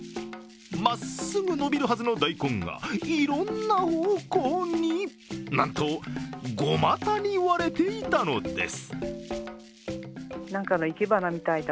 まっすぐ伸びるはずの大根が、いろんな方向になんと５股に割れていたのです。